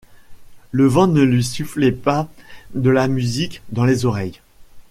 Le vent ne lui soufflait pas de la musique dans les oreilles.